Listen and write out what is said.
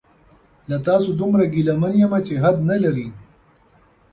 له تاسو دومره ګیله من یمه چې حد نلري